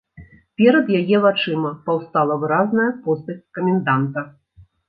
Перад яе вачыма паўстала выразная постаць каменданта.